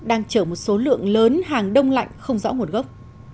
đang chở một số lượng lớn hàng đông lạnh không rõ nguồn gốc